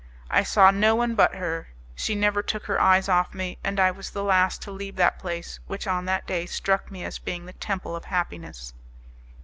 I saw no one but her; she never took her eyes off me, and I was the last to leave that place which on that day struck me as being the temple of happiness.